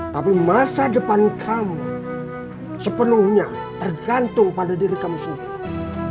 tapi masa depan kamu sepenuhnya gantung pada dirimu sendiri